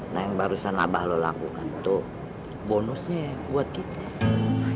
nah yang barusan abah lo lakukan itu bonusnya buat kita